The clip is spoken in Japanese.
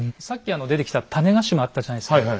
さっき出てきた種子島あったじゃないですか。